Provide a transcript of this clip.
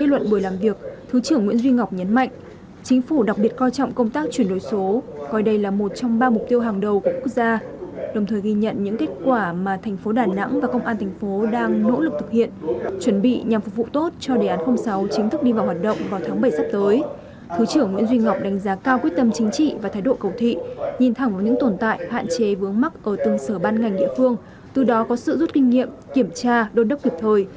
trong buổi làm việc thứ trưởng nguyễn duy ngọc nhấn mạnh chính phủ đặc biệt coi trọng công tác chuyển đổi số coi đây là một trong ba mục tiêu hàng đầu của quốc gia đồng thời ghi nhận những kết quả mà thành phố đà nẵng và công an thành phố đang nỗ lực thực hiện chuẩn bị nhằm phục vụ tốt cho đề án sáu chính thức đi vào hoạt động vào tháng bảy sắp tới